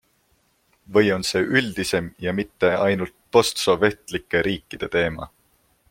Või on see üldisem ja mitte ainult postsovetlike riikide teema?